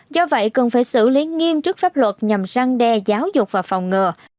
do vậy cần phải xử lý nghiêm trước pháp luật nhằm răng đe giáo dục và phòng ngừa